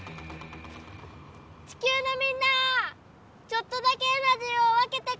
地球のみんなちょっとだけエナジーを分けてくれ！